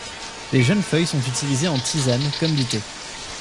Les jeunes feuilles sont utilisées en tisane comme du thé.